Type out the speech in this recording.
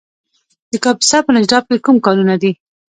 د کاپیسا په نجراب کې کوم کانونه دي؟